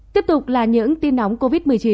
tiếp tục là những tin nóng covid một mươi chín